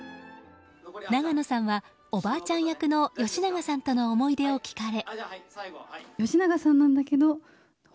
永野さんはおばあちゃん役の吉永さんとの思い出を聞かれ。